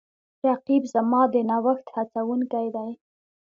رقیب زما د نوښت هڅونکی دی